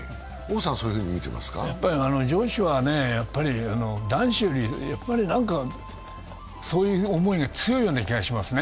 女子は男子より何かそういう思いが強いような気がしますね。